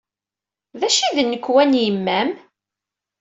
D acu i d nnekwa n yemma-m?